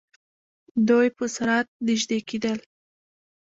دوئ په سرعت نژدې کېدل.